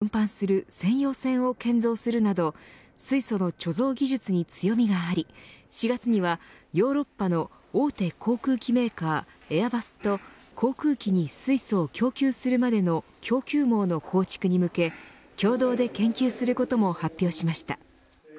川崎重工は世界で初めて液化水素を運搬する専用船を建造するなど水素の貯蔵技術に強みがあり４月にはヨーロッパの大手航空機メーカーエアバスと航空機に水素を供給するまでの供給網の構築に向け共同で研究することも発表しました。